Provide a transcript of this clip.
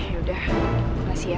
yaudah makasih ya